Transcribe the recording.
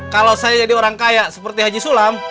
kalau saya jadi orang kaya seperti haji sulam